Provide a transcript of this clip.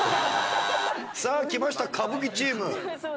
さあ来ました歌舞伎チーム。